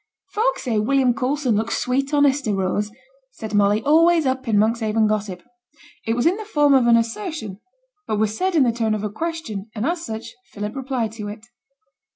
'Folk say William Coulson looks sweet on Hester Rose,' said Molly, always up in Monkshaven gossip. It was in the form of an assertion, but was said in the tone of a question, and as such Philip replied to it.